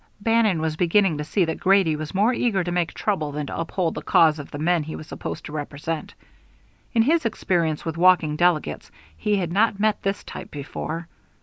Bannon was beginning to see that Grady was more eager to make trouble than to uphold the cause of the men he was supposed to represent. In his experience with walking delegates he had not met this type before.